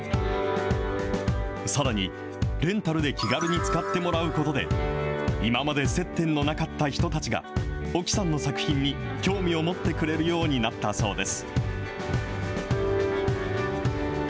さらに、レンタルで気軽に使ってもらうことで、今まで接点のなかった人たちが、沖さんの作品に興味を持ってくれるようになったそうです。